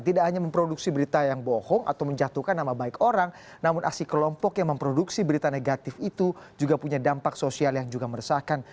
tidak hanya memproduksi berita yang bohong atau menjatuhkan nama baik orang namun aksi kelompok yang memproduksi berita negatif itu juga punya dampak sosial yang juga meresahkan